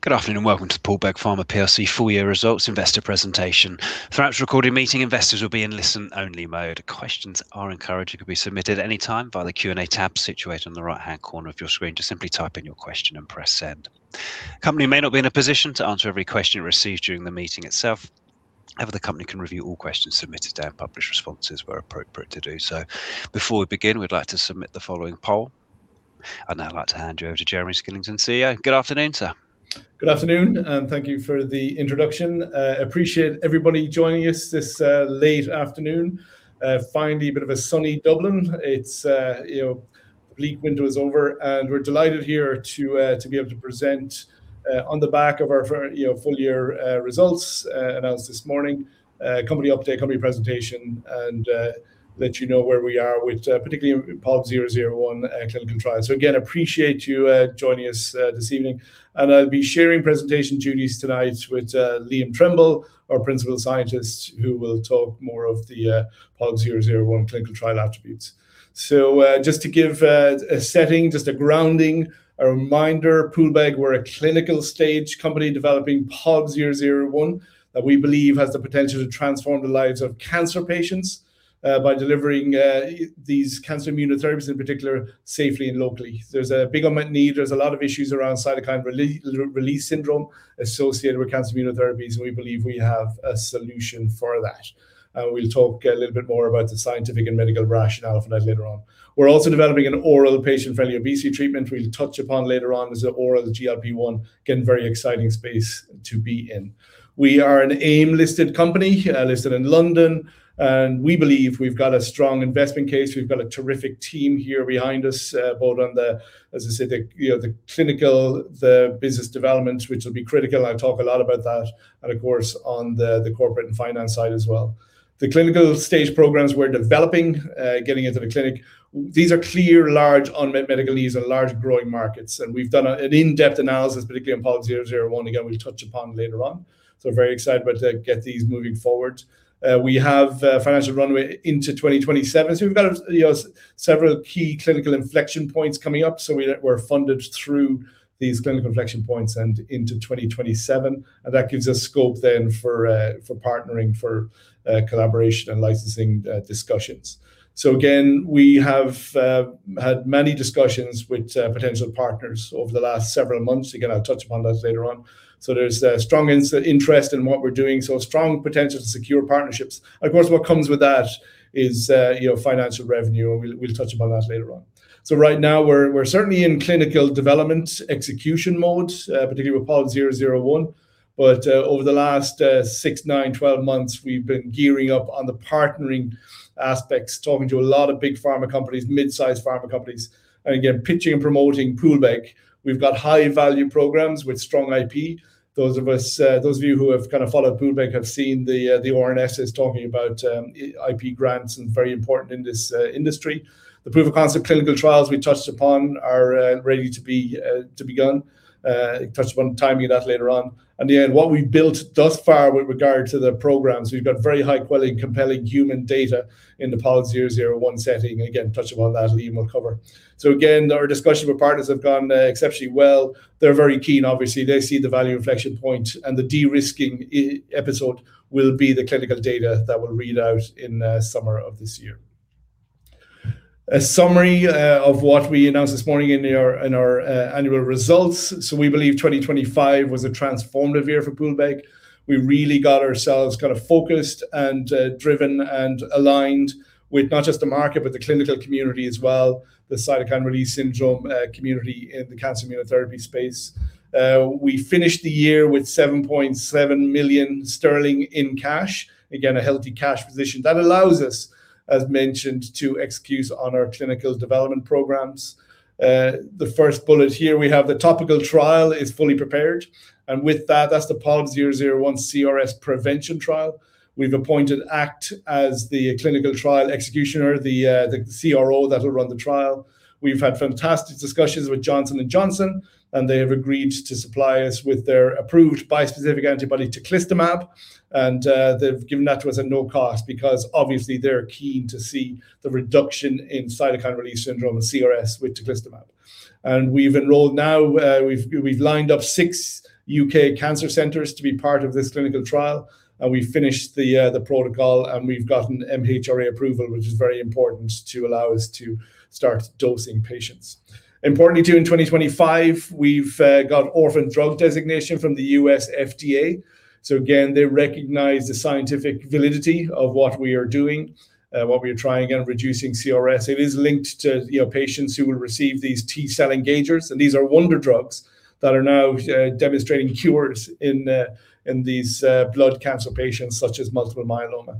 Good afternoon and welcome to the Poolbeg Pharma PLC full year results investor presentation. Throughout the recorded meeting, investors will be in listen only mode. Questions are encouraged and can be submitted any time via the Q&A tab situated on the right-hand corner of your screen. Just simply type in your question and press Send. Company may not be in a position to answer every question received during the meeting itself. The company can review all questions submitted and publish responses where appropriate to do so. Before we begin, we'd like to submit the following poll. I'd now like to hand you over to Jeremy Skillington, CEO. Good afternoon, sir. Good afternoon. Thank you for the introduction. Appreciate everybody joining us this late afternoon. Finally a bit of a sunny Dublin. It's, you know, bleak winter is over. We're delighted here to be able to present on the back of our full year results announced this morning. Company update, company presentation, let you know where we are with particularly in POLB 001 clinical trial. Again, appreciate you joining us this evening. I'll be sharing presentation duties tonight with Liam Tremble, our principal scientist, who will talk more of the POLB 001 clinical trial attributes. Just to give a setting, just a grounding, a reminder, Poolbeg, we're a clinical-stage company developing POLB 001 that we believe has the potential to transform the lives of cancer patients by delivering these cancer immunotherapies in particular safely and locally. There's a big unmet need. There's a lot of issues around cytokine release syndrome associated with cancer immunotherapies, and we believe we have a solution for that, and we'll talk a little bit more about the scientific and medical rationale for that later on. We're also developing an oral GLP-1 for obesity treatment we'll touch upon later on as the oral GLP-1. Again, very exciting space to be in. We are an AIM-listed company listed in London, and we believe we've got a strong investment case. We've got a terrific team here behind us, both on the, as I say, the, you know, the clinical, the business development, which will be critical, and I talk a lot about that, and of course, on the corporate and finance side as well. The clinical stage programs we're developing, getting into the clinic, these are clear, large unmet medical needs and large growing markets, and we've done an in-depth analysis, particularly on POLB 001, again, we'll touch upon later on. We're very excited about to get these moving forward. We have financial runway into 2027, so we've got a, you know, several key clinical inflection points coming up. We're, we're funded through these clinical inflection points and into 2027, and that gives us scope then for partnering, for collaboration and licensing discussions. Again, we have had many discussions with potential partners over the last several months. Again, I'll touch upon that later on. There's a strong interest in what we're doing, strong potential to secure partnerships. Of course, what comes with that is, you know, financial revenue, and we'll touch upon that later on. Right now we're certainly in clinical development execution mode, particularly with POLB 001. Over the last six, nine, twelve months, we've been gearing up on the partnering aspects, talking to a lot of big pharma companies, mid-sized pharma companies, and again, pitching and promoting Poolbeg. We've got high value programs with strong IP. Those of us, those of you who have kind of followed Poolbeg have seen the RNS is talking about IP grants and very important in this industry. The proof of concept clinical trials we touched upon are ready to be begun. Touch upon timing of that later on. In the end, what we've built thus far with regard to the programs, we've got very high quality and compelling human data in the POLB 001 setting. Again, touch upon that, Liam will cover. Again, our discussion with partners have gone exceptionally well. They're very keen obviously. They see the value inflection point and the de-risking episode will be the clinical data that we'll read out in summer of this year. A summary of what we announced this morning in our annual results. We believe 2025 was a transformative year for Poolbeg. We really got ourselves kind of focused and driven and aligned with not just the market, but the clinical community as well, the cytokine release syndrome community in the cancer immunotherapy space. We finished the year with 7.7 million sterling in cash. Again, a healthy cash position. That allows us, as mentioned, to execute on our clinical development programs. The first bullet here we have the TOPICAL trial is fully prepared, and with that's the POLB 001 CRS prevention trial. We've appointed ACT as the clinical trial executioner, the CRO that will run the trial. We've had fantastic discussions with Johnson & Johnson. They have agreed to supply us with their approved bispecific antibody teclistamab, and they've given that to us at no cost because obviously they're keen to see the reduction in cytokine release syndrome or CRS with teclistamab. We've enrolled now, we've lined up six U.K. cancer centers to be part of this clinical trial. We finished the protocol, and we've gotten MHRA approval, which is very important to allow us to start dosing patients. Importantly, too, in 2025, we've got Orphan Drug Designation from the U.S. FDA. Again, they recognize the scientific validity of what we are doing, what we are trying, again, reducing CRS. It is linked to, you know, patients who will receive these T-cell engagers, and these are wonder drugs that are now demonstrating cures in in these blood cancer patients such as multiple myeloma.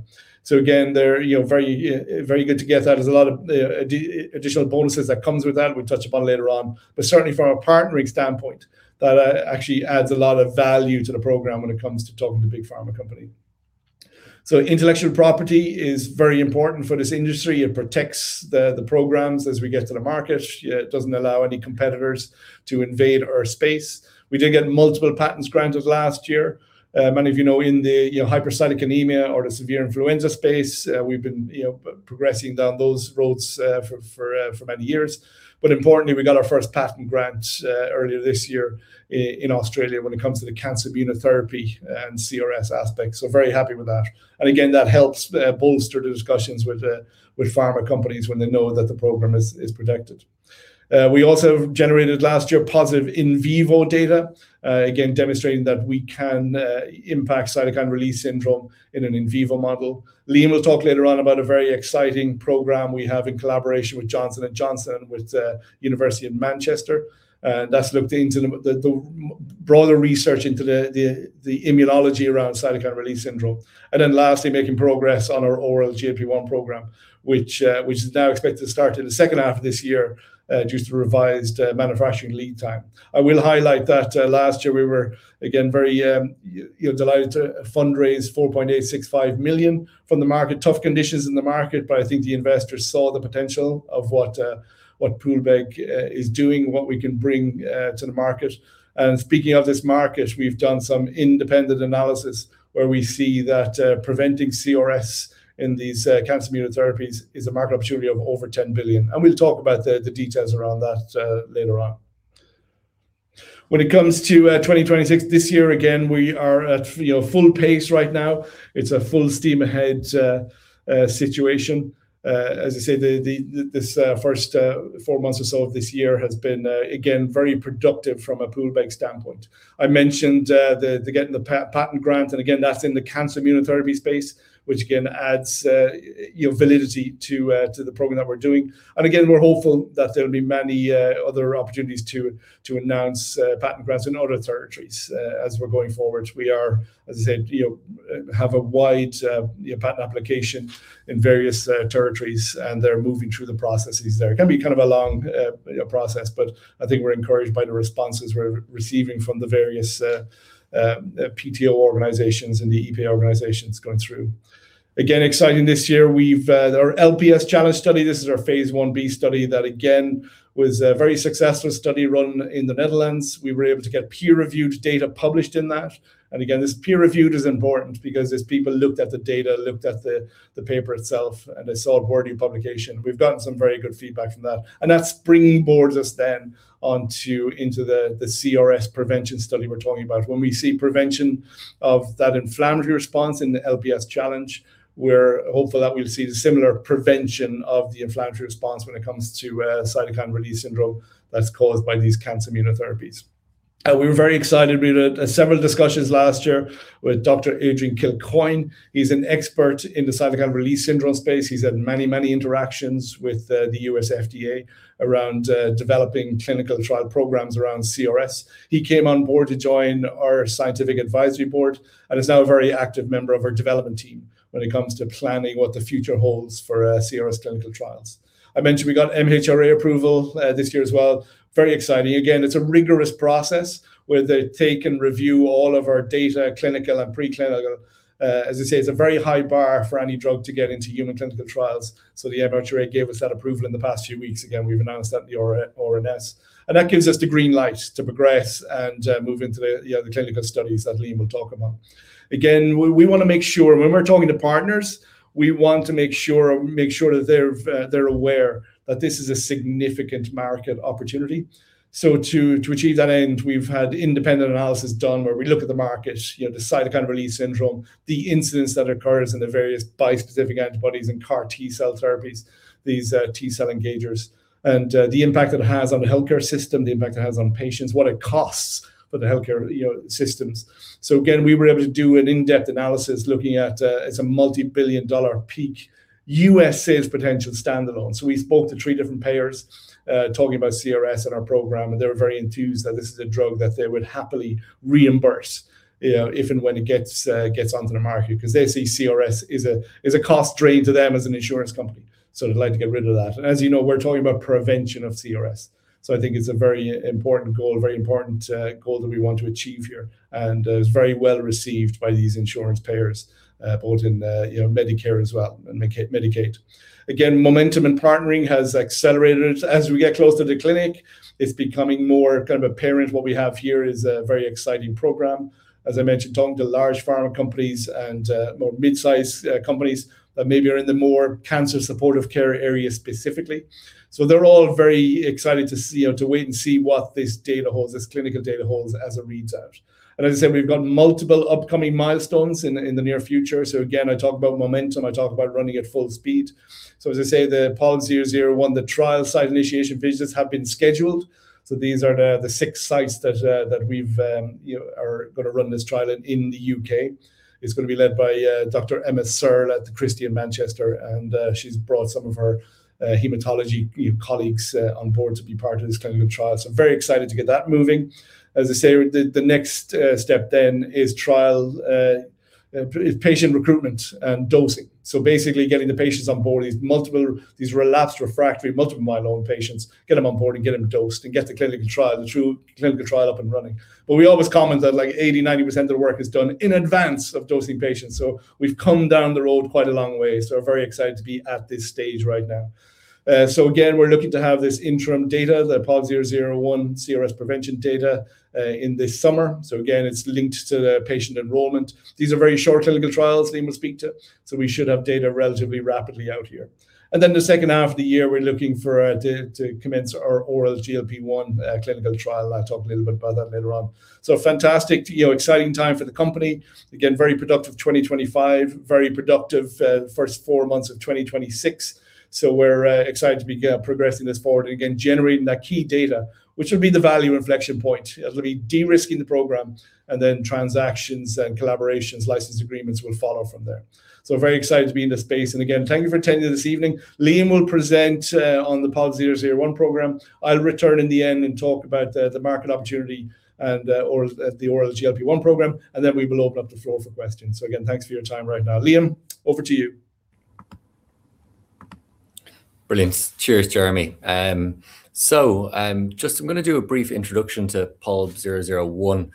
Again, they're, you know, very, very good to get that. There's a lot of additional bonuses that comes with that we'll touch upon later on. Certainly from a partnering standpoint, that actually adds a lot of value to the program when it comes to talking to big pharma company. Intellectual property is very important for this industry. It protects the programs as we get to the market. It doesn't allow any competitors to invade our space. We did get multiple patents granted last year. Many of you know in the Hypercytokinemia or the severe influenza space, we've been progressing down those roads for many years. Importantly, we got our first patent grant earlier this year in Australia when it comes to the cancer immunotherapy and CRS aspect, so very happy with that. Again, that helps bolster the discussions with pharma companies when they know that the program is protected. We also generated last year positive in vivo data, again demonstrating that we can impact cytokine release syndrome in an in vivo model. Liam will talk later on about a very exciting program we have in collaboration with Johnson & Johnson, with University of Manchester. That's looked into the broader research into the immunology around cytokine release syndrome. Lastly, making progress on our oral GLP-1 program, which is now expected to start in the second half of this year, due to revised manufacturing lead time. I will highlight that last year we were again very, you know, delighted to fundraise 4.865 million from the market. Tough conditions in the market, I think the investors saw the potential of what Poolbeg is doing, what we can bring to the market. Speaking of this market, we've done some independent analysis where we see that preventing CRS in these cancer immunotherapies is a market opportunity of over $10 billion, and we'll talk about the details around that later on. When it comes to 2026, this year again we are at, you know, full pace right now. It's a full steam ahead situation. As I say, this first four months or so of this year has been again very productive from a Poolbeg standpoint. I mentioned the patent grant, again, that's in the cancer immunotherapy space, which again adds, you know, validity to the program that we're doing. Again, we're hopeful that there'll be many other opportunities to announce patent grants in other territories as we're going forward. We are, as I said, you know, have a wide, you know, patent application in various territories, they're moving through the processes there. It can be kind of a long, you know, process. I think we're encouraged by the responses we're receiving from the various PTO organizations and the EPO organizations going through. Exciting this year, we've our LPS challenge study. This is our phase I-B study that again was a very successful study run in the Netherlands. We were able to get peer-reviewed data published in that. This peer review is important because as people looked at the data, looked at the paper itself, and they saw it worthy of publication. We've gotten some very good feedback from that. That springboards us then onto into the CRS prevention study we're talking about. When we see prevention of that inflammatory response in the LPS challenge, we're hopeful that we'll see the similar prevention of the inflammatory response when it comes to cytokine release syndrome that's caused by these cancer immunotherapies. We were very excited, we had several discussions last year with Dr. Adrian Kilcoyne. He's an expert in the cytokine release syndrome space. He's had many, many interactions with the U.S. FDA around developing clinical trial programs around CRS. He came on board to join our Scientific Advisory Board, and is now a very active member of our development team when it comes to planning what the future holds for CRS clinical trials. I mentioned we got MHRA approval this year as well. Very exciting. Again, it's a rigorous process where they take and review all of our data, clinical and preclinical. As I say, it's a very high bar for any drug to get into human clinical trials, so the MHRA gave us that approval in the past few weeks. Again, we've announced that in the RNS. That gives us the green light to progress and move into the, you know, the clinical studies that Liam will talk about. Again, we wanna make sure when we're talking to partners, we want to make sure that they're aware that this is a significant market opportunity. To achieve that end, we've had independent analysis done where we look at the market, you know, the cytokine release syndrome, the incidence that occurs in the various bispecific antibodies and CAR T-cell therapies, these T-cell engagers, the impact it has on the healthcare system, the impact it has on patients, what it costs for the healthcare, you know, systems. Again, we were able to do an in-depth analysis looking at, it's a multi-billion dollar peak U.S. sales potential standalone. We spoke to three different payers, talking about CRS and our program, they were very enthused that this is a drug that they would happily reimburse, you know, if and when it gets onto the market. They see CRS is a cost drain to them as an insurance company. They'd like to get rid of that. As you know, we're talking about prevention of CRS, so I think it's a very important goal, a very important goal that we want to achieve here and is very well received by these insurance payers, both in, you know, Medicare as well and Medicaid. Again, momentum in partnering has accelerated. As we get closer to the clinic, it's becoming more kind of apparent what we have here is a very exciting program. As I mentioned, talking to large pharma companies and more mid-size companies that maybe are in the more cancer supportive care area specifically. They're all very excited to see, or to wait and see what this data holds, this clinical data holds as it reads out. As I said, we've got multiple upcoming milestones in the near future. Again, I talk about momentum, I talk about running at full speed. As I say, the POLB 001, the trial site initiation visits have been scheduled, so these are the six sites that we've, you know, are gonna run this trial in the U.K. It's gonna be led by Dr. Emma Searle at The Christie in Manchester, and she's brought some of her hematology, you know, colleagues on board to be part of this clinical trial. Very excited to get that moving. As I say, the next step then is trial is patient recruitment and dosing. Basically getting the patients on board, these multiple, these relapsed refractory multiple myeloma patients, get them on board and get them dosed and get the clinical trial, the true clinical trial up and running. We always comment that, like, 80%-90% of the work is done in advance of dosing patients, so we've come down the road quite a long way, so are very excited to be at this stage right now. Again, we're looking to have this interim data, the POLB 001 CRS prevention data, in this summer. Again, it's linked to the patient enrollment. These are very short clinical trials Liam will speak to, so we should have data relatively rapidly out here. The second half of the year we're looking for to commence our oral GLP-1 clinical trial, and I'll talk a little bit about that later on. Fantastic, you know, exciting time for the company. Again, very productive 2025. Very productive first four months of 2026. We're excited to be progressing this forward and again generating that key data, which will be the value inflection point. It'll be de-risking the program and then transactions and collaborations, license agreements will follow from there. Very excited to be in this space, and again, thank you for attending this evening. Liam will present on the POLB 001 program. I'll return in the end and talk about the market opportunity and the oral GLP-1 program, and then we will open up the floor for questions. Again, thanks for your time right now. Liam, over to you. Brilliant. Cheers, Jeremy. Just I'm gonna do a brief introduction to POLB 001,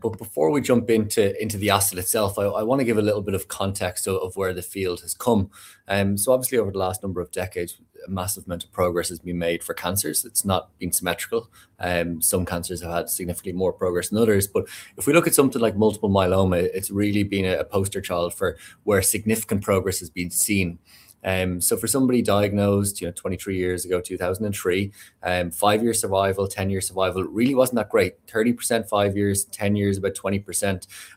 but before we jump into the asset itself, I wanna give a little bit of context of where the field has come. Obviously over the last number of decades, a massive amount of progress has been made for cancers. It's not been symmetrical. Some cancers have had significantly more progress than others, but if we look at something like multiple myeloma, it's really been a poster child for where significant progress has been seen. For somebody diagnosed, you know, 23 years ago, 2003, five-year survival, 10-year survival really wasn't that great. 30% five years, 10 years about 20%,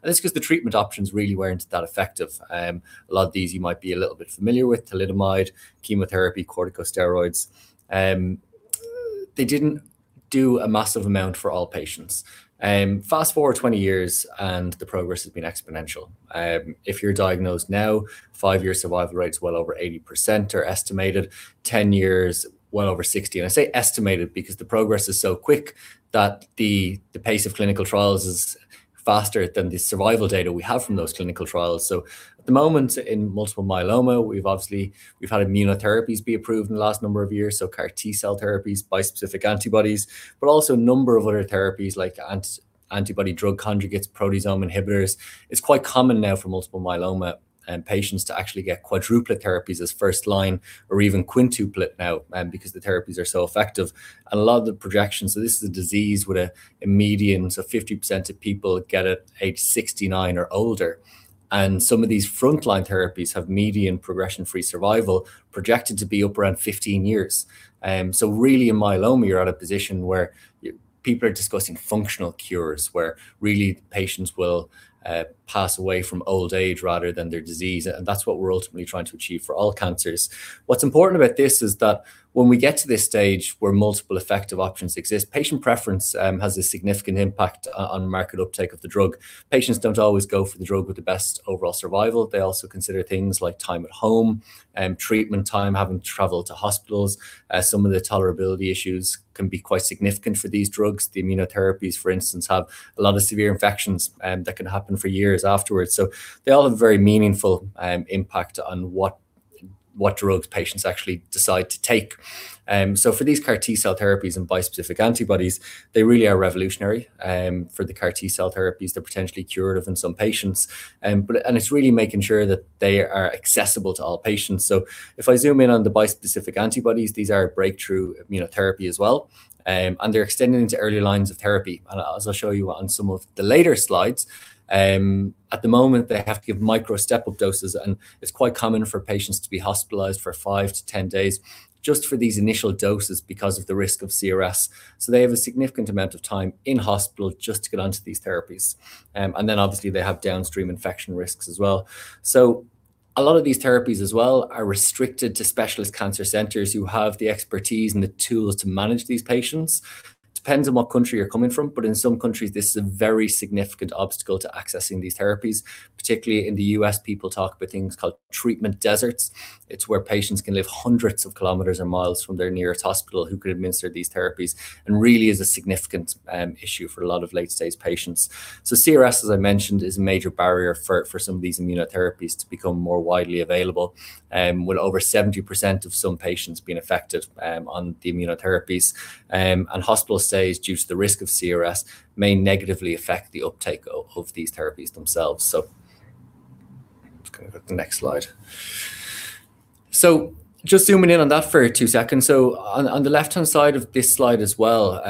and that's 'cause the treatment options really weren't that effective. A lot of these you might be a little bit familiar with, thalidomide, chemotherapy, corticosteroids. They didn't do a massive amount for all patients. Fast-forward 20 years, the progress has been exponential. If you're diagnosed now, five-year survival rates well over 80% are estimated, 10 years well over 60%. I say estimated because the progress is so quick that the pace of clinical trials is faster than the survival data we have from those clinical trials. At the moment in multiple myeloma, we've obviously, we've had immunotherapies be approved in the last number of years, so CAR T-cell therapies, bispecific antibodies, but also a number of other therapies like antibody-drug conjugates, proteasome inhibitors. It's quite common now for multiple myeloma patients to actually get quadruple therapies as first line or even quintuplet now because the therapies are so effective. A lot of the projections, so this is a disease with a median, so 50% of people get it age 69 or older, and some of these frontline therapies have median progression-free survival projected to be up around 15 years. Really in myeloma you are at a position where people are discussing functional cures, where really patients will pass away from old age rather than their disease, and that is what we are ultimately trying to achieve for all cancers. What is important about this is that when we get to this stage where multiple effective options exist, patient preference has a significant impact on market uptake of the drug. Patients do not always go for the drug with the best overall survival. They also consider things like time at home, treatment time, having to travel to hospitals. Some of the tolerability issues can be quite significant for these drugs. The immunotherapies, for instance, have a lot of severe infections that can happen for years afterwards. They all have a very meaningful impact on what drugs patients actually decide to take. For these CAR T-cell therapies and bispecific antibodies, they really are revolutionary. For the CAR T-cell therapies, they're potentially curative in some patients. It's really making sure that they are accessible to all patients. If I zoom in on the bispecific antibodies, these are a breakthrough immunotherapy as well, and they're extending into early lines of therapy. As I'll show you on some of the later slides, at the moment they have to give micro step-up doses, and it's quite common for patients to be hospitalized for five to 10 days just for these initial doses because of the risk of CRS. They have a significant amount of time in hospital just to get onto these therapies. Obviously they have downstream infection risks as well. A lot of these therapies as well are restricted to specialist cancer centers who have the expertise and the tools to manage these patients. Depends on what country you're coming from, but in some countries this is a very significant obstacle to accessing these therapies. Particularly in the U.S. people talk about things called treatment deserts. It's where patients can live hundreds of kilometers or miles from their nearest hospital who could administer these therapies, and really is a significant issue for a lot of late-stage patients. CRS, as I mentioned, is a major barrier for some of these immunotherapies to become more widely available, with over 70% of some patients being affected on the immunotherapies. Hospital stays due to the risk of CRS may negatively affect the uptake of these therapies themselves. Just gonna go to the next slide. Just zooming in on that for two seconds. On the left-hand side of this slide as well,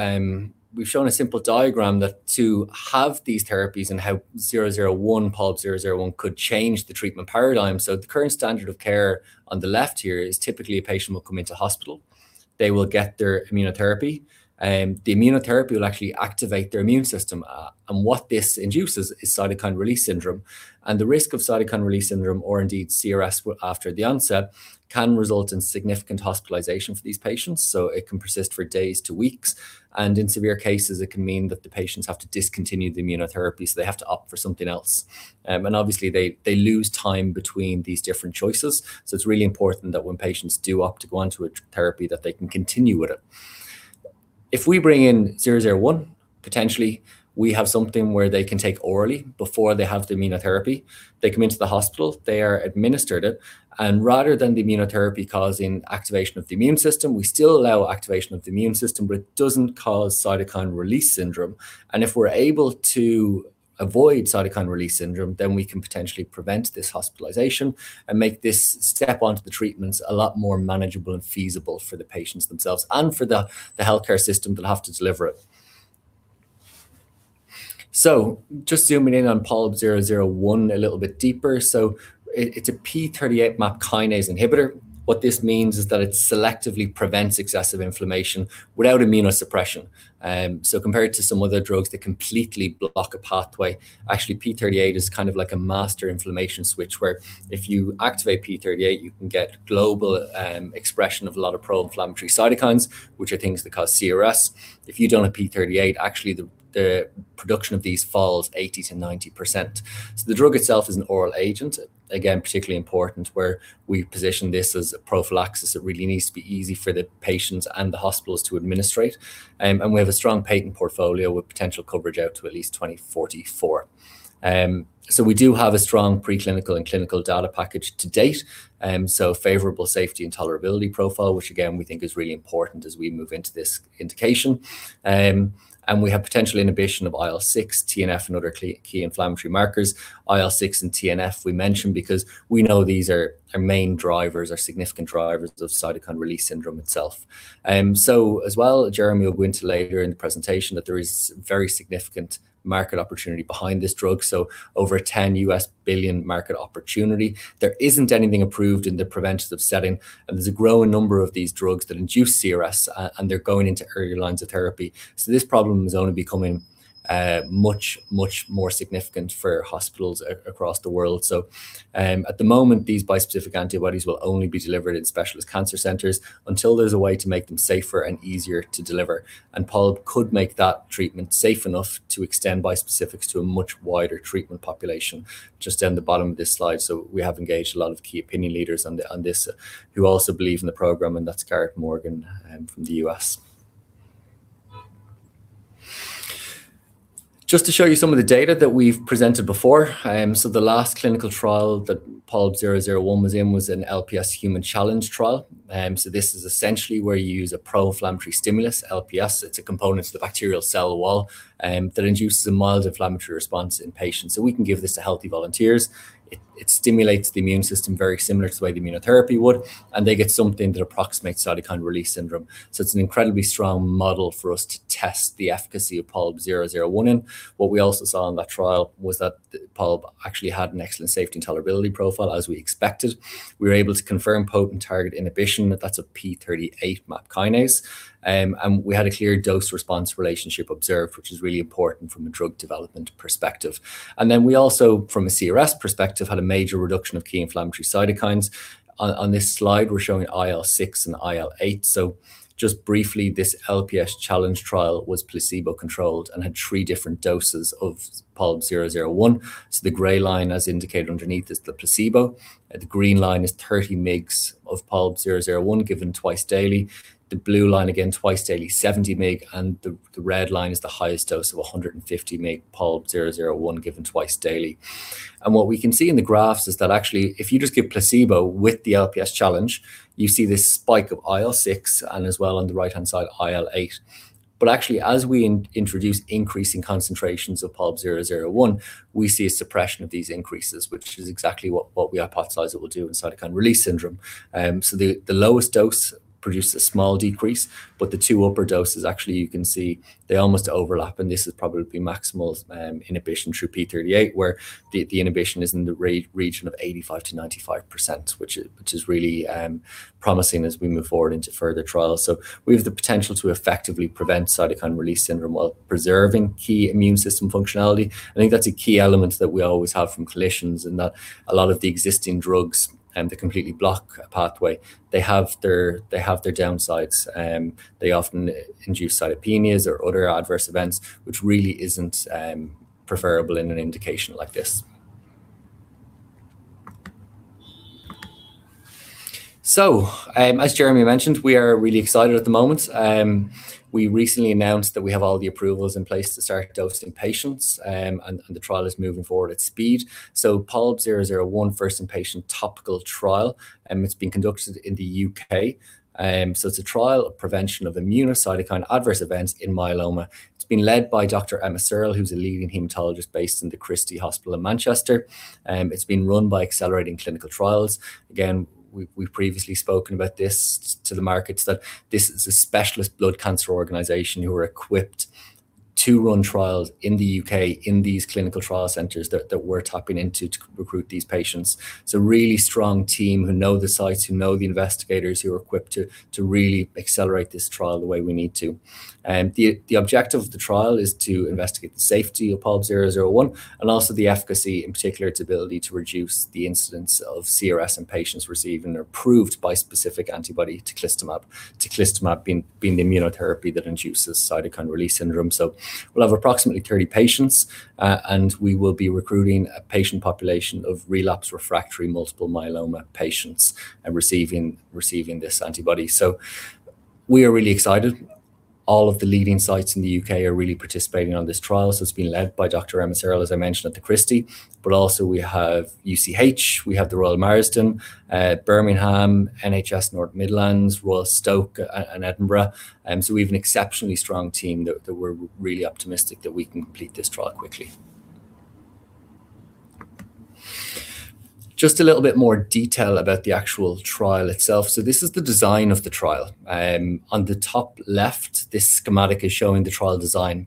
we've shown a simple diagram that to have these therapies and how POLB 001 could change the treatment paradigm. The current standard of care on the left here is typically a patient will come into hospital, they will get their immunotherapy, the immunotherapy will actually activate their immune system. What this induces is cytokine release syndrome, and the risk of cytokine release syndrome, or indeed CRS after the onset, can result in significant hospitalization for these patients. It can persist for days to weeks, and in severe cases it can mean that the patients have to discontinue the immunotherapy, so they have to opt for something else. Obviously they lose time between these different choices, so it's really important that when patients do opt to go onto a therapy that they can continue with it. If we bring in 001, potentially we have something where they can take orally before they have the immunotherapy. They come into the hospital, they are administered it, rather than the immunotherapy causing activation of the immune system, we still allow activation of the immune system, but it doesn't cause cytokine release syndrome. If we're able to avoid cytokine release syndrome, we can potentially prevent this hospitalization and make this step onto the treatments a lot more manageable and feasible for the patients themselves and for the healthcare system that'll have to deliver it. Just zooming in on POLB 001 a little bit deeper. It's a p38 MAP kinase inhibitor. What this means is that it selectively prevents excessive inflammation without immunosuppression. Compared to some other drugs that completely block a pathway, actually p38 is kind of like a master inflammation switch, where if you activate p38, you can get global expression of a lot of pro-inflammatory cytokines, which are things that cause CRS. If you don't have p38, actually the production of these falls 80%-90%. The drug itself is an oral agent, again, particularly important where we position this as a prophylaxis. It really needs to be easy for the patients and the hospitals to administrate. We have a strong patent portfolio with potential coverage out to at least 2044. We do have a strong preclinical and clinical data package to date. Favorable safety and tolerability profile, which again, we think is really important as we move into this indication. We have potential inhibition of IL-6, TNF, and other key inflammatory markers. IL-6 and TNF we mentioned because we know these are main drivers, are significant drivers of cytokine release syndrome itself. As well, Jeremy will go into later in the presentation that there is very significant market opportunity behind this drug, so over $10 billion market opportunity. There isn't anything approved in the preventative setting, and there's a growing number of these drugs that induce CRS, and they're going into earlier lines of therapy. This problem is only becoming much more significant for hospitals across the world. At the moment, these bispecific antibodies will only be delivered in specialist cancer centers until there's a way to make them safer and easier to deliver. Poolbeg could make that treatment safe enough to extend bispecifics to a much wider treatment population. Just down the bottom of this slide, we have engaged a lot of key opinion leaders on this, who also believe in the program, and that's Gareth Morgan from the U.S. Just to show you some of the data that we've presented before. The last clinical trial that POLB 001 was in was an LPS human challenge trial. This is essentially where you use a pro-inflammatory stimulus, LPS. It's a component to the bacterial cell wall that induces a mild inflammatory response in patients. We can give this to healthy volunteers. It stimulates the immune system very similar to the way the immunotherapy would, and they get something that approximates cytokine release syndrome. It's an incredibly strong model for us to test the efficacy of POLB 001 in. What we also saw in that trial was that POLB actually had an excellent safety and tolerability profile as we expected. We were able to confirm potent target inhibition, that's of p38 MAP kinase. We had a clear dose-response relationship observed, which is really important from a drug development perspective. We also, from a CRS perspective, had a major reduction of key inflammatory cytokines. On this slide, we're showing IL-6 and IL-8. Just briefly, this LPS challenge trial was placebo-controlled and had three different doses of POLB 001. The gray line, as indicated underneath, is the placebo. The green line is 30 mg of POLB 001 given twice daily. The blue line, again twice daily, 70 mg, and the red line is the highest dose of 150 mg POLB 001 given twice daily. What we can see in the graphs is that actually if you just give placebo with the LPS challenge, you see this spike of IL-6 and as well on the right-hand side, IL-8. Actually, as we introduce increasing concentrations of POLB 001, we see a suppression of these increases, which is exactly what we hypothesized it will do in cytokine release syndrome. The lowest dose produced a small decrease, but the two upper doses, actually you can see they almost overlap, and this is probably maximal inhibition through p38, where the inhibition is in the region of 85%-95%, which is really promising as we move forward into further trials. We have the potential to effectively prevent cytokine release syndrome while preserving key immune system functionality. I think that's a key element that we always have from clinicians in that a lot of the existing drugs that completely block a pathway, they have their downsides. They often induce cytopenias or other adverse events, which really isn't preferable in an indication like this. As Jeremy mentioned, we are really excited at the moment. We recently announced that we have all the approvals in place to start dosing patients, and the trial is moving forward at speed. POLB 001 first in-patient TOPICAL trial, it's being conducted in the U.K. It's a trial of prevention of immune cytokine adverse events in myeloma. It's being led by Dr. Emma Searle, who's a leading hematologist based in The Christie in Manchester. It's being run by Accelerating Clinical Trials. Again, we've previously spoken about this to the markets, that this is a specialist blood cancer organization who are equipped to run trials in the U.K. in these clinical trial centers that we're tapping into to recruit these patients. It's a really strong team who know the sites, who know the investigators, who are equipped to really accelerate this trial the way we need to. The objective of the trial is to investigate the safety of POLB 001 and also the efficacy, in particular, its ability to reduce the incidence of CRS in patients receiving approved bispecific antibody teclistamab. Teclistamab being the immunotherapy that induces cytokine release syndrome. We'll have approximately 30 patients, and we will be recruiting a patient population of relapsed refractory multiple myeloma patients, receiving this antibody. We are really excited. All of the leading sites in the U.K. are really participating on this trial, so it's being led by Dr. Emma Searle, as I mentioned, at The Christie. Also, we have UCLH, we have The Royal Marsden, Birmingham, University Hospitals of North Midlands, Royal Stoke, and Edinburgh. We have an exceptionally strong team that we are really optimistic that we can complete this trial quickly. Just a little bit more detail about the actual trial itself. This is the design of the trial. On the top left, this schematic is showing the trial design.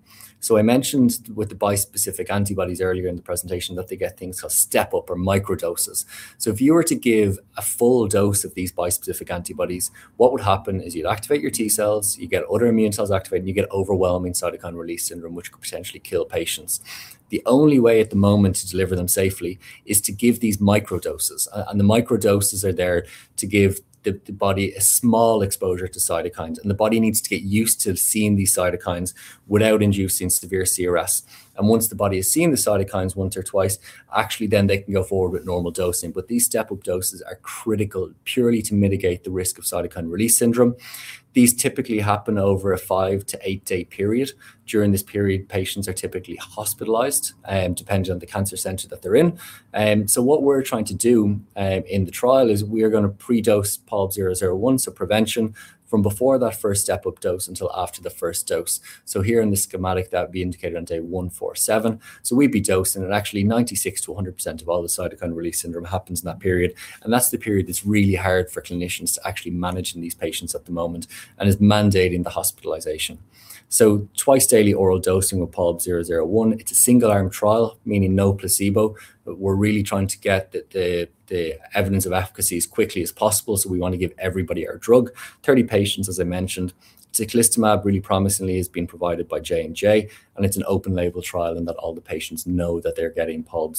I mentioned with the bispecific antibodies earlier in the presentation that they get things called step-up or microdoses. If you were to give a full dose of these bispecific antibodies, what would happen is you'd activate your T-cells. You get autoimmune cells activated, and you get overwhelming cytokine release syndrome, which could potentially kill patients. The only way at the moment to deliver them safely is to give these microdoses. The microdoses are there to give the body a small exposure to cytokines, the body needs to get used to seeing these cytokines without inducing severe CRS. Once the body has seen the cytokines once or twice, actually they can go forward with normal dosing. These step-up doses are critical purely to mitigate the risk of cytokine release syndrome. These typically happen over a five to eight-day period. During this period, patients are typically hospitalized, depending on the cancer center that they're in. What we're trying to do in the trial is we are gonna pre-dose POLB 001, so prevention, from before that first step-up dose until after the first dose. Here in the schematic, that would be indicated on day 147. We'd be dosing, and actually 96%-100% of all the cytokine release syndrome happens in that period, and that's the period that's really hard for clinicians to actually manage in these patients at the moment and is mandating the hospitalization. Twice daily oral dosing with POLB 001. It's a single-arm trial, meaning no placebo, but we're really trying to get the evidence of efficacy as quickly as possible, we want to give everybody our drug. 30 patients, as I mentioned. Teclistamab really promisingly is being provided by J&J, it's an open label trial in that all the patients know that they're getting POLB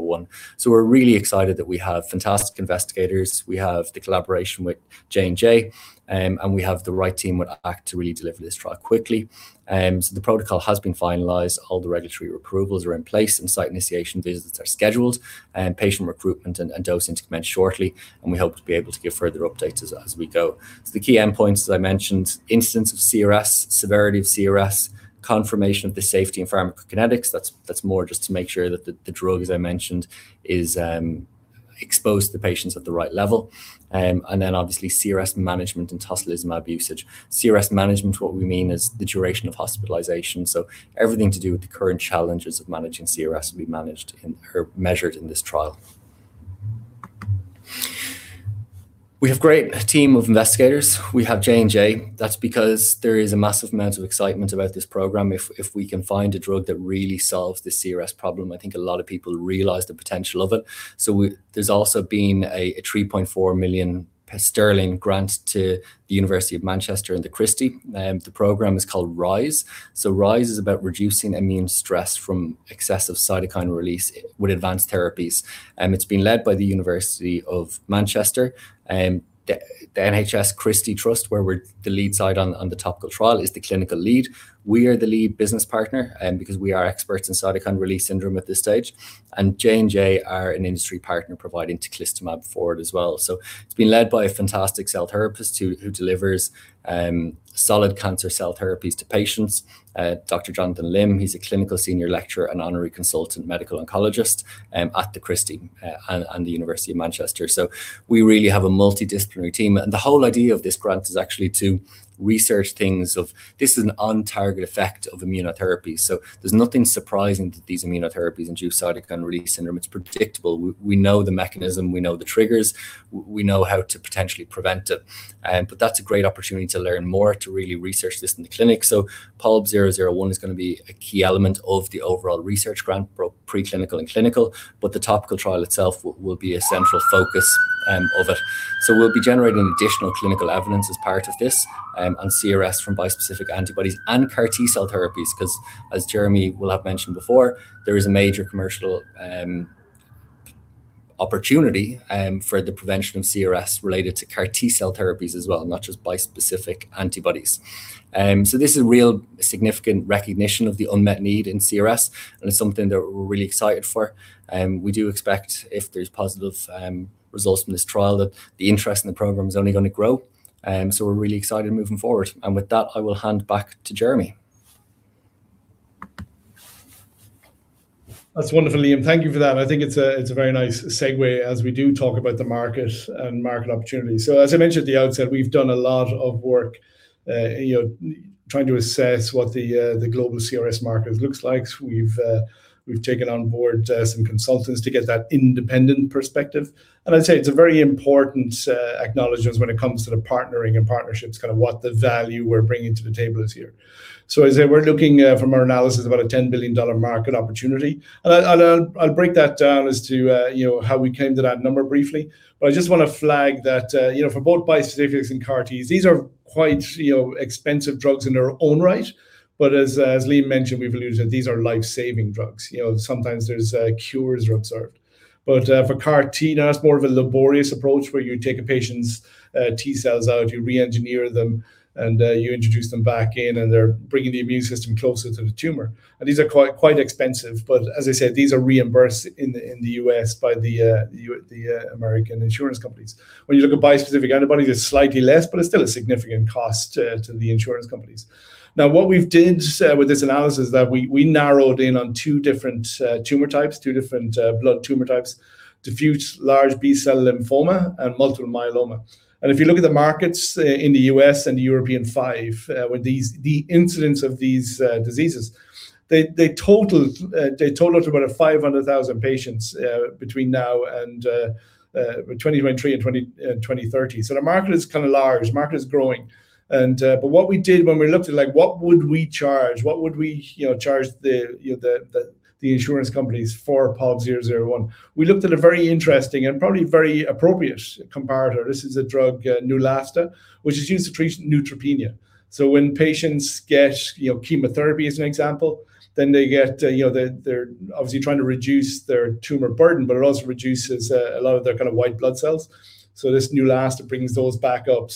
001. We're really excited that we have fantastic investigators. We have the collaboration with J&J, and we have the right team with ACT to really deliver this trial quickly. The protocol has been finalized. All the regulatory approvals are in place, site initiation visits are scheduled, patient recruitment and dosing to commence shortly, we hope to be able to give further updates as we go. The key endpoints, as I mentioned, instance of CRS, severity of CRS, confirmation of the safety and pharmacokinetics. That's more just to make sure that the drug, as I mentioned, is exposed to patients at the right level. Obviously CRS management and tocilizumab usage. CRS management, what we mean is the duration of hospitalization. Everything to do with the current challenges of managing CRS will be managed in or measured in this trial. We have great team of investigators. We have J&J. That's because there is a massive amount of excitement about this program. If we can find a drug that really solves the CRS problem, I think a lot of people realize the potential of it. There's also been a 3.4 million sterling grant to the University of Manchester and The Christie. The program is called RISE. RISE is about reducing immune stress from excessive cytokine release with advanced therapies. It's being led by the University of Manchester. The NHS Christie Trust, where we're the lead site on the TOPICAL trial, is the clinical lead. We are the lead business partner because we are experts in cytokine release syndrome at this stage, and J&J are an industry partner providing teclistamab for it as well. It's been led by a fantastic cell therapist who delivers solid cancer cell therapies to patients, Dr. Jonathan Lim. He's a clinical senior lecturer and honorary consultant medical oncologist at The Christie and the University of Manchester. We really have a multidisciplinary team. The whole idea of this grant is actually to research things of this is an on-target effect of immunotherapy. There's nothing surprising that these immunotherapies induce cytokine release syndrome. It's predictable. We know the mechanism, we know the triggers, we know how to potentially prevent it. That's a great opportunity to learn more, to really research this in the clinic. POLB 001 is gonna be a key element of the overall research grant for preclinical and clinical, but the TOPICAL trial itself will be a central focus of it. We'll be generating additional clinical evidence as part of this on CRS from bispecific antibodies and CAR T-cell therapies, 'cause as Jeremy will have mentioned before, there is a major commercial opportunity for the prevention of CRS related to CAR T-cell therapies as well, not just bispecific antibodies. This is real significant recognition of the unmet need in CRS, and it's something that we're really excited for. We do expect if there's positive results from this trial, that the interest in the program is only gonna grow. We're really excited moving forward. With that, I will hand back to Jeremy. That's wonderful, Liam. Thank you for that. I think it's a very nice segue as we do talk about the market and market opportunities. As I mentioned at the outset, we've done a lot of work, you know, trying to assess what the global CRS market looks like. We've taken on board some consultants to get that independent perspective, and I'd say it's a very important acknowledgement when it comes to the partnering and partnerships, kind of what the value we're bringing to the table is here. As I say, we're looking from our analysis about a $10 billion market opportunity, and I'll break that down as to, you know, how we came to that number briefly. I just want to flag that, you know, for both bi-specifics and CAR-Ts, these are quite, you know, expensive drugs in their own right, but as Liam mentioned, we believe that these are life-saving drugs. You know, sometimes there's cures observed. For CAR-T, now it's more of a laborious approach where you take a patient's T-cells out, you re-engineer them, and you introduce them back in, and they're bringing the immune system closer to the tumor, and these are quite expensive, but as I said, these are reimbursed in the U.S. by the American insurance companies. When you look at bispecific antibodies, it's slightly less, but it's still a significant cost to the insurance companies. Now, what we've did with this analysis is that we narrowed in on two different tumor types, two different blood tumor types, diffuse large B-cell lymphoma and multiple myeloma. If you look at the markets in the U.S. and the European 5, with these, the incidence of these diseases, they total to about 500,000 patients between now and between 2023 and 2030. The market is kind of large. Market is growing. What we did when we looked at, like, what would we charge, what would we, you know, charge the, you know, the insurance companies for POLB 001, we looked at a very interesting and probably very appropriate comparator. This is a drug, Neulasta, which is used to treat neutropenia. When patients get, you know, chemotherapy as an example, they get, you know, they're obviously trying to reduce their tumor burden, but it also reduces a lot of their kind of white blood cells. This Neulasta brings those back up.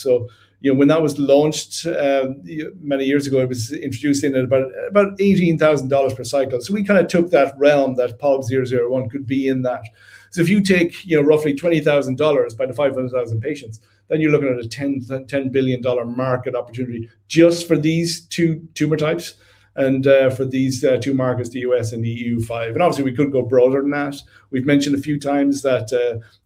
You know, when that was launched many years ago, it was introduced in at about $18,000 per cycle. We kind of took that realm that POLB 001 could be in that. If you take, you know, roughly $20,000 by the 500,000 patients, you're looking at a $10 billion market opportunity just for these two tumor types and for these two markets, the U.S. and the EU five. Obviously we could go broader than that. We've mentioned a few times that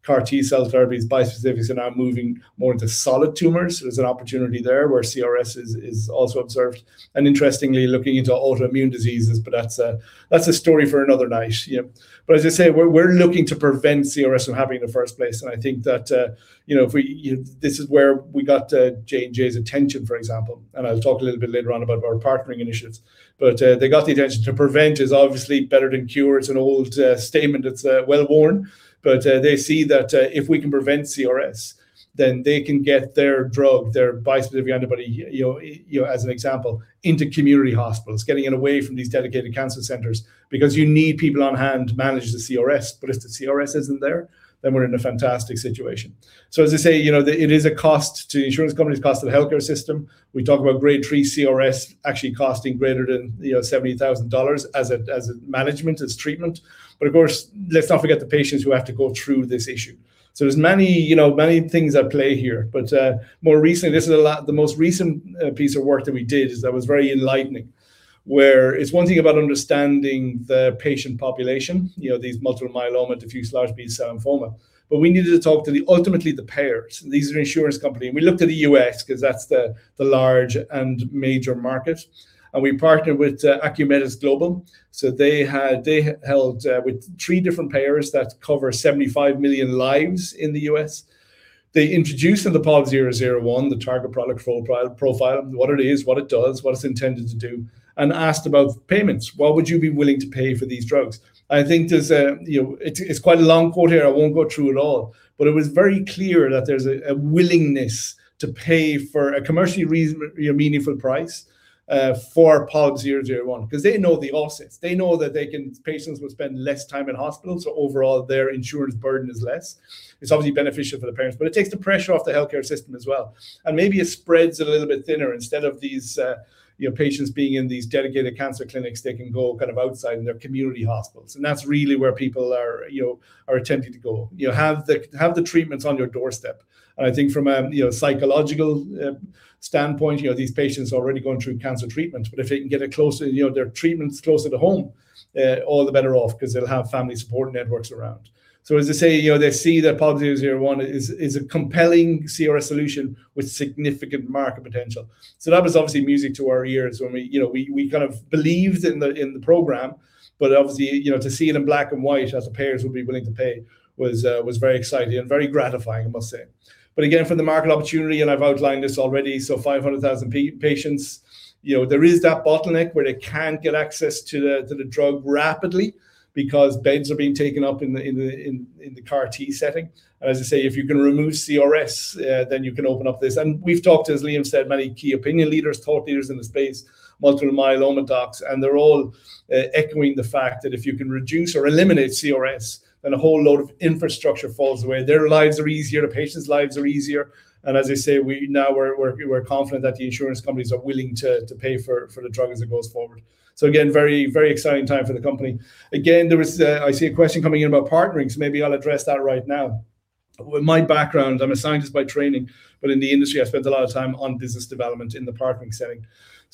CAR T-cell therapies, bispecifics are now moving more into solid tumors, so there's an opportunity there where CRS is also observed. Interestingly, looking into autoimmune diseases, but that's a story for another night. Yep. As I say, we're looking to prevent CRS from happening in the first place, and I think that, you know, if we this is where we got J&J's attention, for example, and I'll talk a little bit later on about our partnering initiatives. They got the attention. To prevent is obviously better than cure. It's an old statement that's well worn. They see that, if we can prevent CRS then they can get their drug, their bispecific antibody, you know, as an example, into community hospitals, getting it away from these dedicated cancer centers because you need people on hand to manage the CRS, but if the CRS isn't there, then we're in a fantastic situation. As I say, you know, it is a cost to insurance companies, cost to the healthcare system. We talk about grade 3 CRS actually costing greater than, you know, $70,000 as a, as a management, as treatment. Of course, let's not forget the patients who have to go through this issue. There's many, you know, many things at play here. More recently, this is a lot, the most recent piece of work that we did is that was very enlightening, where it's one thing about understanding the patient population, you know, these multiple myeloma, diffuse large B-cell lymphoma, but we needed to talk to ultimately the payers. These are insurance company. We looked at the U.S. because that's the large and major market, and we partnered with IQVIA. They had, they held with three different payers that cover 75 million lives in the U.S. They introduced them to POLB 001, the target product profile, what it is, what it does, what it's intended to do, and asked about payments. "What would you be willing to pay for these drugs?" I think there's a, you know. It's quite a long quote here. I won't go through it all. It was very clear that there's a willingness to pay for a commercially you know, meaningful price for POLB 001 because they know the offsets. They know that patients will spend less time in hospital. Overall their insurance burden is less. It's obviously beneficial for the patients. It takes the pressure off the healthcare system as well. Maybe it spreads it a little bit thinner. Instead of these, you know, patients being in these dedicated cancer clinics, they can go kind of outside in their community hospitals. That's really where people are, you know, are attempting to go. You know, have the treatments on your doorstep. I think from a, you know, psychological standpoint, you know, these patients are already going through cancer treatment, but if they can get it closer, you know, their treatments closer to home, all the better off because they'll have family support networks around. As they say, you know, they see that POLB 001 is a compelling CRS solution with significant market potential. That was obviously music to our ears when we, you know, we kind of believed in the program, but obviously, you know, to see it in black and white as the payers would be willing to pay was very exciting and very gratifying, I must say. Again, from the market opportunity, and I've outlined this already, 500,000 patients. You know, there is that bottleneck where they can't get access to the drug rapidly because beds are being taken up in the CAR T-cell therapy setting. As I say, if you can remove CRS, then you can open up this. We've talked, as Liam said, many key opinion leaders, thought leaders in the space, multiple myeloma docs, and they're all echoing the fact that if you can reduce or eliminate CRS, a whole load of infrastructure falls away. Their lives are easier, the patients' lives are easier. As I say, we now we're confident that the insurance companies are willing to pay for the drug as it goes forward. Again, very, very exciting time for the company. I see a question coming in about partnering, maybe I'll address that right now. With my background, I'm a scientist by training, but in the industry, I spent a lot of time on business development in the partnering setting.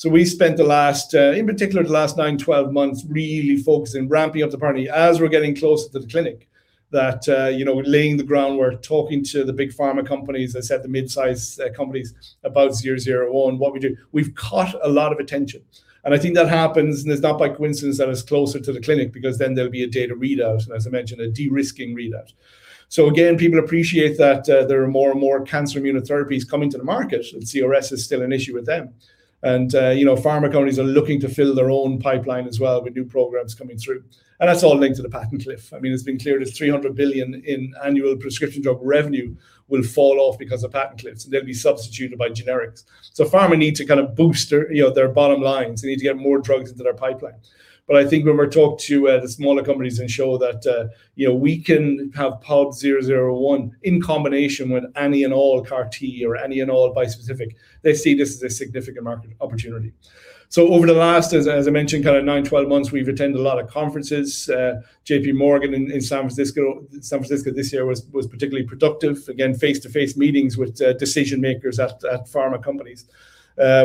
We spent the last, in particular, the last nine to 12 months really focusing, ramping up the partnering as we're getting closer to the clinic that, laying the groundwork, talking to the big pharma companies, as I said, the mid-size companies about 001, what we do. We've caught a lot of attention. I think that happens, and it's not by coincidence that it's closer to the clinic because then there'll be a data readout, and as I mentioned, a de-risking readout. Again, people appreciate that there are more and more cancer immunotherapies coming to the market, and CRS is still an issue with them. You know, pharma companies are looking to fill their own pipeline as well with new programs coming through. That's all linked to the patent cliff. I mean, it's been cleared as 300 billion in annual prescription drug revenue will fall off because of patent cliffs, and they'll be substituted by generics. Pharma need to kind of boost their, you know, their bottom lines. They need to get more drugs into their pipeline. I think when we talk to the smaller companies and show that, you know, we can have POLB 001 in combination with any and all CAR T or any and all bispecific, they see this as a significant market opportunity. Over the last, as I mentioned, nine to 12 months, we've attended a lot of conferences. JP Morgan in San Francisco this year was particularly productive. Again, face-to-face meetings with decision-makers at pharma companies.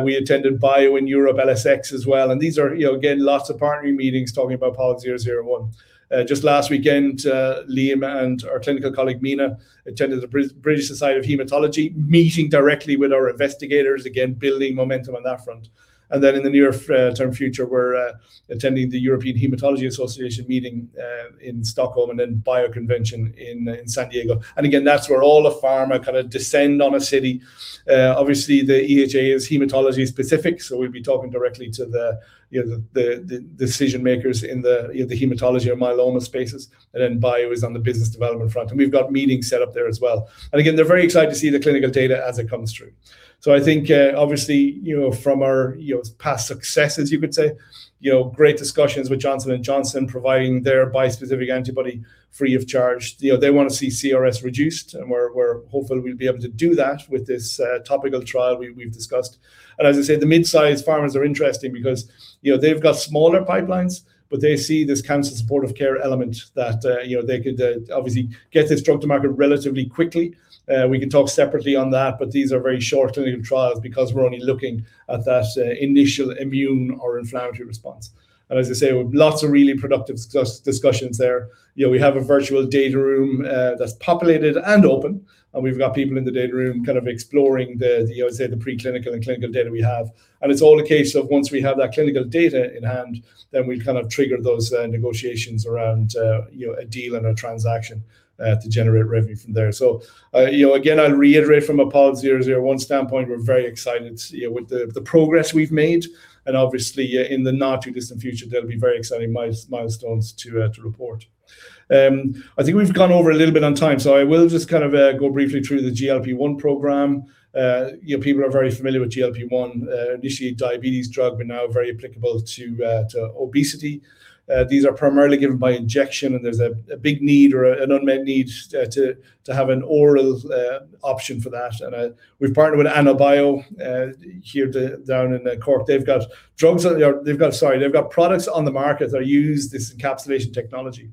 We attended BIO-Europe, LSX as well. These are, you know, again, lots of partnering meetings talking about POLB 001. Just last weekend, Liam and our clinical colleague, Mina, attended the British Society for Haematology, meeting directly with our investigators, again, building momentum on that front. In the near-term future, we're attending the European Hematology Association meeting in Stockholm and then BIO International Convention in San Diego. Again, that's where all the pharma descend on a city. Obviously, the EHA is hematology specific, so we'll be talking directly to the, you know, the, the decision-makers in the, you know, the hematology or myeloma spaces. Then BIO is on the business development front. We've got meetings set up there as well. Again, they're very excited to see the clinical data as it comes through. I think, obviously, you know, from our, you know, past successes, you could say, you know, great discussions with Johnson & Johnson providing their bispecific antibody free of charge. You know, they want to see CRS reduced, and we're hopeful we'll be able to do that with this TOPICAL trial we've discussed. As I say, the mid-size pharmas are interesting because, you know, they've got smaller pipelines, but they see this cancer supportive care element that, you know, they could obviously get this drug to market relatively quickly. We can talk separately on that, these are very short-term trials because we're only looking at that initial immune or inflammatory response. As I say, lots of really productive discussions there. You know, we have a virtual data room that's populated and open, and we've got people in the data room kind of exploring the, you know, say the preclinical and clinical data we have. It's all a case of once we have that clinical data in hand, then we kind of trigger those negotiations around, you know, a deal and a transaction to generate revenue from there. You know, again, I'll reiterate from a POLB 001 standpoint, we're very excited to, you know, with the progress we've made. Obviously, in the not-too-distant future, there'll be very exciting milestones to report. I think we've gone over a little bit on time, so I will just kind of go briefly through the GLP-1 program. You know, people are very familiar with GLP-1, initially diabetes drug, but now very applicable to obesity. These are primarily given by injection, and there's a big need or an unmet need to have an oral option for that. We've partnered with AnaBio, here the, down in Cork. They've got products on the market that use this encapsulation technology.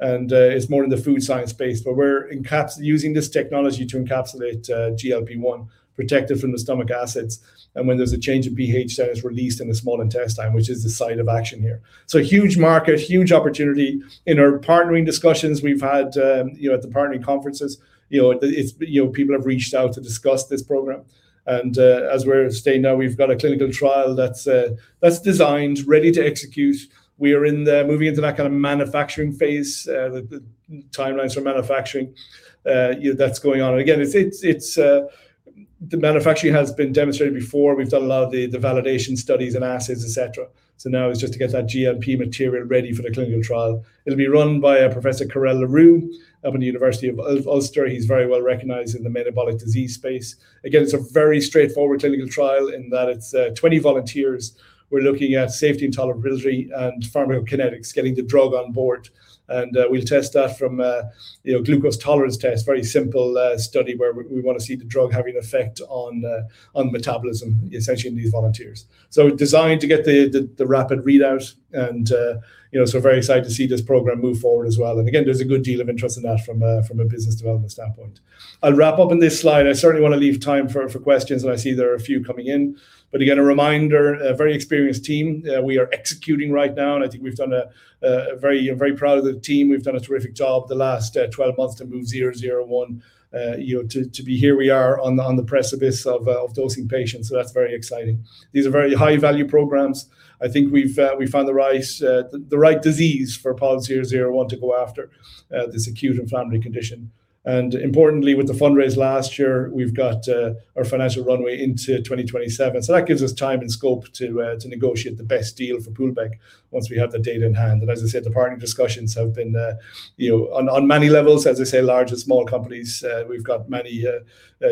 It's more in the food science space, but we're using this technology to encapsulate GLP-1, protect it from the stomach acids. When there's a change of pH, that is released in the small intestine, which is the site of action here. Huge market, huge opportunity. In our partnering discussions we've had, you know, at the partnering conferences, you know, it's, you know, people have reached out to discuss this program. As we're standing now, we've got a clinical trial that's designed, ready to execute. We are moving into that kind of manufacturing phase, the timelines for manufacturing, you know, that's going on. Again, it's the manufacturing has been demonstrated before. We've done a lot of the validation studies and assays, et cetera. Now it's just to get that GLP-1 material ready for the clinical trial. It'll be run by a Professor Carel le Roux up in Ulster University. He's very well recognized in the metabolic disease space. It's a very straightforward clinical trial in that it's 20 volunteers. We're looking at safety and tolerability and pharmacokinetics, getting the drug on board. We'll test that from, you know, glucose tolerance test, very simple study where we want to see the drug having effect on metabolism, essentially in these volunteers. Designed to get the rapid readout and, you know, very excited to see this program move forward as well. There's a good deal of interest in that from a business development standpoint. I'll wrap up in this slide. I certainly want to leave time for questions. I see there are a few coming in. Again, a reminder, a very experienced team, we are executing right now. I think we've done a very, I'm very proud of the team. We've done a terrific job the last 12 months to move 001, you know, to be here. We are on the precipice of dosing patients. That's very exciting. These are very high-value programs. I think we've found the right, the right disease for POLB 001 to go after, this acute inflammatory condition. Importantly, with the fundraise last year, we've got our financial runway into 2027. That gives us time and scope to negotiate the best deal for Poolbeg once we have the data in hand. As I said, the partnering discussions have been, you know, on many levels, as I say, large and small companies. We've got many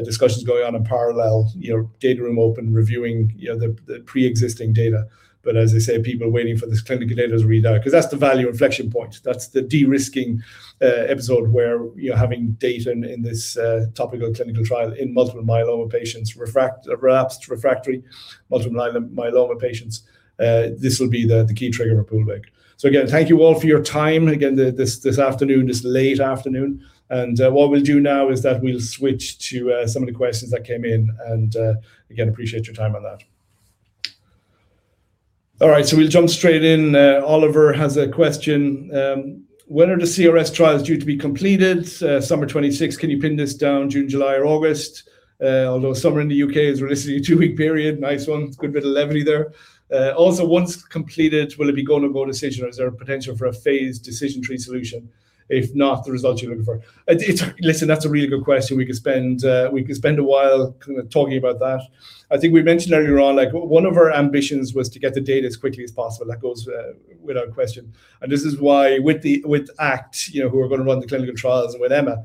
discussions going on in parallel, you know, data room open, reviewing, you know, the preexisting data. As I say, people are waiting for this clinical data to read out, because that's the value inflection point. That's the de-risking episode where you're having data in this TOPICAL clinical trial in multiple myeloma patients, relapsed refractory multiple myeloma patients. This will be the key trigger for Poolbeg. Again, thank you all for your time, again, this afternoon, this late afternoon. What we'll do now is that we'll switch to some of the questions that came in, again, appreciate your time on that. All right, we'll jump straight in. Oliver has a question. "When are the CRS trials due to be completed? Summer 2026, can you pin this down June, July, or August? Although summer in the U.K. is realistically a 2-week period." Nice one. Good bit of levity there. "Once completed, will it be go- or no go-decision, or is there a potential for a phased decision tree solution? If not, the results you're looking for." Listen, that's a really good question. We could spend a while kind of talking about that. I think we mentioned earlier on, like, one of our ambitions was to get the data as quickly as possible. That goes without question, and this is why with ACT, you know, who are gonna run the clinical trials, and with EMA,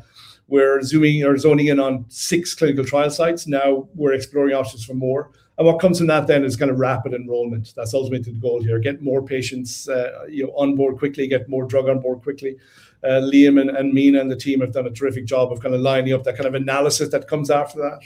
we're zoning in on six clinical trial sites. Now we're exploring options for more. What comes from that then is kind of rapid enrollment. That's ultimately the goal here, get more patients, you know, on board quickly, get more drug on board quickly. Liam and Mina and the team have done a terrific job of kind of lining up that kind of analysis that comes after that.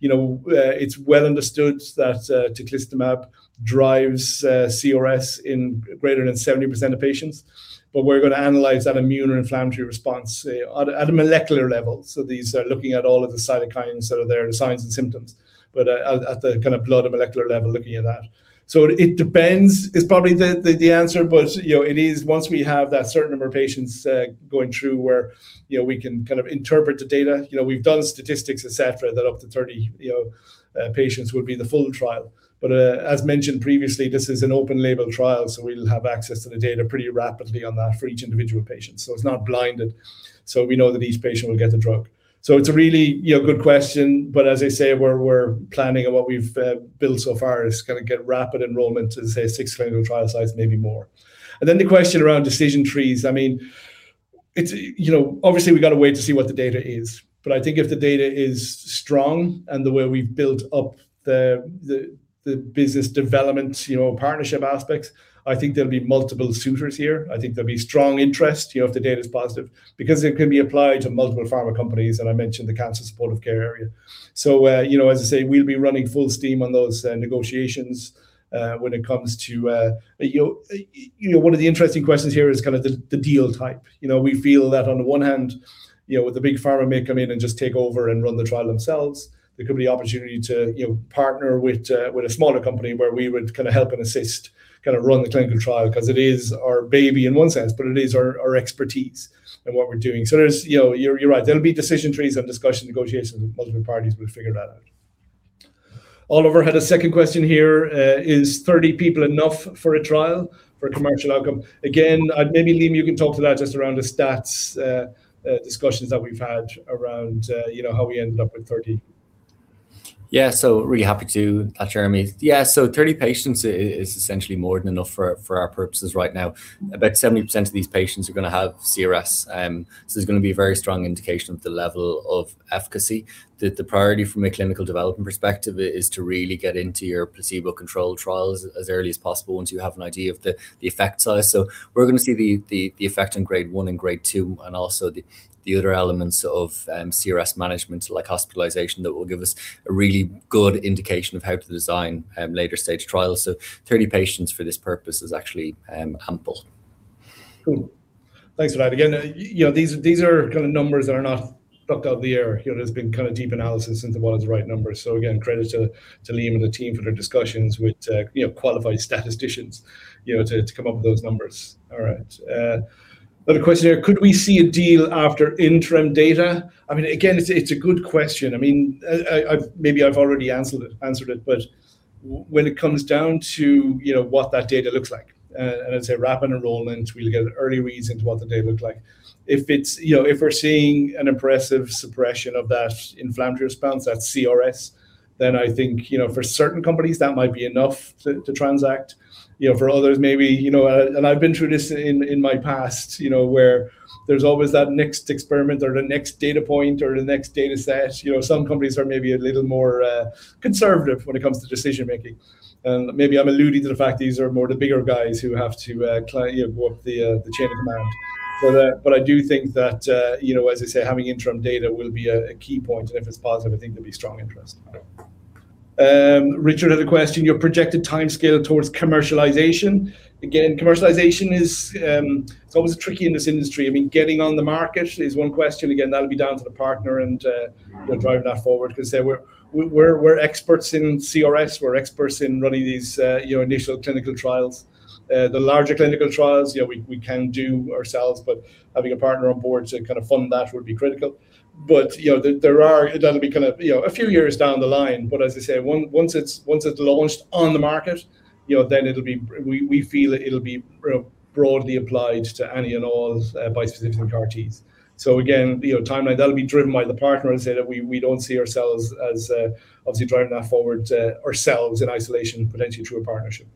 You know, it's well understood that teclistamab drives CRS in greater than 70% of patients, but we're gonna analyze that immune and inflammatory response at a molecular level. These are looking at all of the cytokines that are there and the signs and symptoms, but at the kind of blood and molecular level looking at that. It depends is probably the answer, but, you know, it is once we have that certain number of patients going through where, you know, we can kind of interpret the data. We've done statistics, et cetera, that up to 30, you know, patients would be the full trial. As mentioned previously, this is an open label trial, so we'll have access to the data pretty rapidly on that for each individual patient. It's not blinded, so we know that each patient will get the drug. It's a really, you know, good question, but as I say, we're planning and what we've built so far is gonna get rapid enrollment to say six clinical trial sites, maybe more. The question around decision trees, I mean, it's, you know, obviously we gotta wait to see what the data is, but I think if the data is strong and the way we've built up the business development, you know, partnership aspects, I think there'll be multiple suitors here. I think there'll be strong interest, you know, if the data's positive because it can be applied to multiple pharma companies, and I mentioned the cancer supportive care area. As I say, we'll be running full steam on those negotiations when it comes to you know, one of the interesting questions here is kind of the deal type. You know, we feel that on the one hand, you know, with the big pharma may come in and just take over and run the trial themselves. There could be opportunity to, you know, partner with a smaller company where we would kind of help and assist, kind of run the clinical trial, 'cause it is our baby in one sense, but it is our expertise in what we're doing. You're right. There'll be decision trees and discussion, negotiations with multiple parties. We'll figure that out. Oliver had a second question here. Is 30 people enough for a trial for a commercial outcome?" Again, maybe Liam, you can talk to that just around the stats, discussions that we've had around, you know, how we ended up with 30. Really happy to, Jeremy. 30 patients is essentially more than enough for our purposes right now. About 70% of these patients are gonna have CRS, there's gonna be a very strong indication of the level of efficacy. The priority from a clinical development perspective is to really get into your placebo control trials as early as possible once you have an idea of the effect size. We're gonna see the effect in grade one and grade two and also the other elements of CRS management like hospitalization that will give us a really good indication of how to design later stage trials. 30 patients for this purpose is actually ample. Cool. Thanks for that. You know, these are kind of numbers that are not plucked out of the air. You know, there's been kind of deep analysis into what are the right numbers. Credit to Liam and the team for their discussions with, you know, qualified statisticians, you know, to come up with those numbers. All right. Another question here. "Could we see a deal after interim data?" I mean, again, it's a good question. I mean, I've Maybe I've already answered it. When it comes down to, you know, what that data looks like, and as I say, rapid enrollment, we'll get an early read into what the data look like. If it's, you know, if we're seeing an impressive suppression of that inflammatory response, that CRS, then I think, you know, for certain companies that might be enough to transact. You know, for others maybe, you know. I've been through this in my past, you know, where there's always that next experiment or the next data point or the next data set. You know, some companies are maybe a little more conservative when it comes to decision-making, and maybe I'm alluding to the fact these are more the bigger guys who have to, you know, work the chain of command. I do think that, you know, as I say, having interim data will be a key point, and if it's positive I think there'll be strong interest. Richard had a question. Your projected timescale towards commercialization." Commercialization is, it's always tricky in this industry. I mean, getting on the market is one question. That'll be down to the partner and we're driving that forward. Can say we're experts in CRS. We're experts in running these, you know, initial clinical trials. The larger clinical trials, you know, we can do ourselves, but having a partner on board to kind of fund that would be critical. You know, there are. That'll be kind of, you know, a few years down the line. As I say, once it's launched on the market, you know, then it'll be we feel it'll be, you know, broadly applied to any and all bispecific CAR Ts. You know, timeline, that'll be driven by the partner. I say that we don't see ourselves as obviously driving that forward ourselves in isolation. Potentially through a partnership.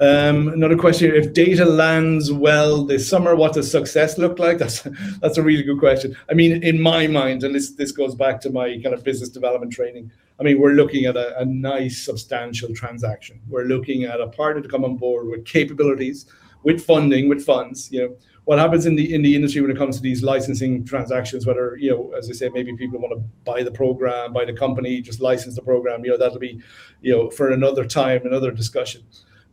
Another question. "If data lands well this summer, what does success look like?" That's a really good question. I mean, in my mind, and this goes back to my kind of business development training, I mean, we're looking at a nice substantial transaction. We're looking at a partner to come on board with capabilities, with funding, with funds, you know. What happens in the industry when it comes to these licensing transactions, whether, you know, as I say, maybe people want to buy the program, buy the company, just license the program, you know, that'll be, you know, for another time and other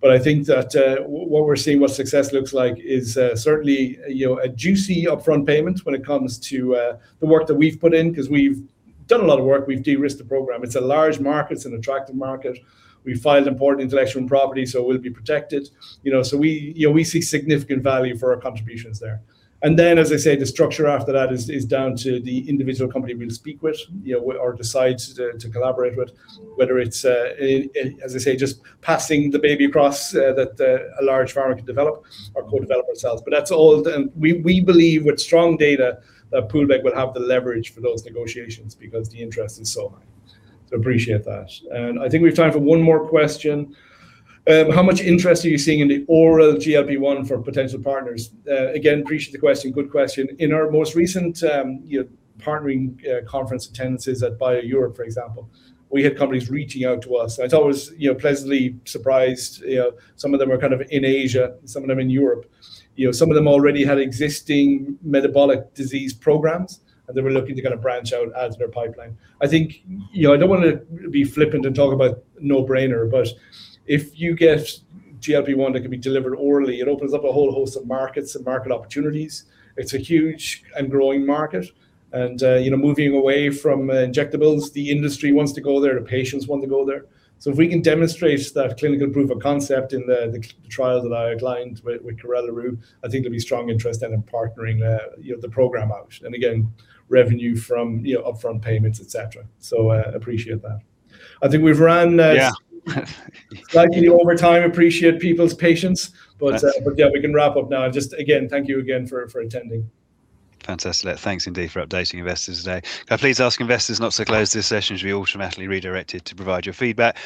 discussions. I think that what we're seeing what success looks like is certainly, you know, a juicy upfront payment when it comes to the work that we've put in, 'cause we've done a lot of work. We've de-risked the program. It's a large market. It's an attractive market. We've filed important intellectual property, so it will be protected. You know, we, you know, we see significant value for our contributions there. As I say, the structure after that is down to the individual company we'll speak with, you know, or decide to collaborate with. Whether it's, as I say, just passing the baby across that a large pharma could develop or co-develop ourselves. That's all. We believe with strong data that Poolbeg will have the leverage for those negotiations because the interest is so high. Appreciate that. I think we've time for one more question. "How much interest are you seeing in the oral GLP-1 for potential partners?" Again, appreciate the question. Good question. In our most recent, you know, partnering conference attendances at BIO-Europe, for example, we had companies reaching out to us. I was always, you know, pleasantly surprised. You know, some of them are kind of in Asia, some of them in Europe. You know, some of them already had existing metabolic disease programs, and they were looking to kind of branch out, add to their pipeline. I think, you know, I don't wanna be flippant and talk about no-brainer. If you get GLP-1 that can be delivered orally, it opens up a whole host of markets and market opportunities. It's a huge and growing market, you know, moving away from injectables, the industry wants to go there, the patients want to go there. If we can demonstrate that clinical proof of concept in the trial that I outlined with Carel le Roux, I think there'll be strong interest then in partnering, you know, the program out. Again, revenue from, you know, upfront payments, et cetera. Appreciate that. I think we've ran slightly over time. Appreciate people's patience. But yeah, we can wrap up now. Just again, thank you again for attending. Fantastic. Thanks indeed for updating investors today. Can I please ask investors not to close this session as you're automatically redirected to provide your feedback.